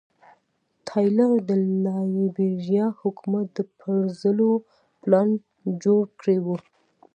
ټایلر د لایبیریا حکومت د پرځولو پلان جوړ کړی و.